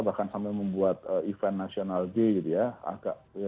bahkan sampai membuat event national day